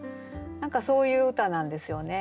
何かそういう歌なんですよね。